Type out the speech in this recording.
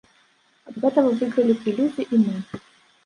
Ад гэтага выйгралі б і людзі, і мы.